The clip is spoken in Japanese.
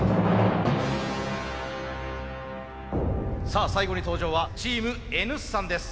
さあ最後に登場はチームＮ産です。